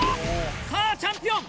さぁチャンピオン